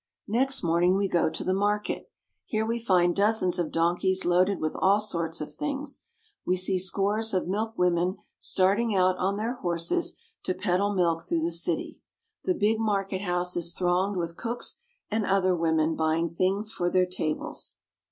Next morning we go to the market. Here we find dozens of donkeys loaded with all sorts of things. We see scores of milkwomen starting out on their horses to peddle milk through the city. The big market house is thronged with cooks and other women buying things for their tables.